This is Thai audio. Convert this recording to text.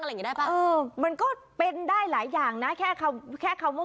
อย่างนี้ได้ป่ะเออมันก็เป็นได้หลายอย่างนะแค่คำแค่คำว่า